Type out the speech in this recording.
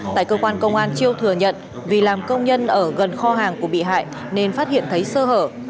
tại cơ quan công an chiêu thừa nhận vì làm công nhân ở gần kho hàng của bị hại nên phát hiện thấy sơ hở